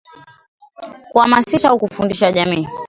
Kuhamasisha au kufundisha jamii